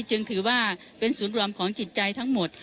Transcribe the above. จึงถือว่าเป็นศูนย์รวมของจิตใจทั้งหมด